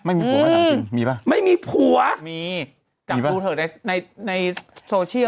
ไม่มีผัวแม่นางจริงมีป่ะไม่มีผัวมีจับดูเถอะในในโซเชียล